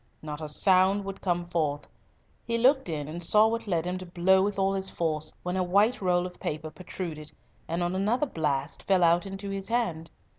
Not a sound would come forth. He looked in, and saw what led him to blow with all his force, when a white roll of paper protruded, and on another blast fell out into his hand.